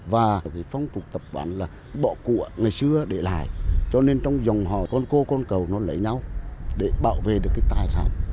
và phong tục tập quản là bọ cụa ngày xưa để lại cho nên trong dòng họ con cô con cầu nó lấy nhau để bảo vệ được cái tài sản